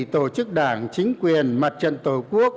tổ chức đảng chính quyền mặt trận tổ quốc